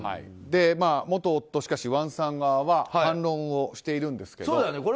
元夫、ワンさん側は反論をしているんですが。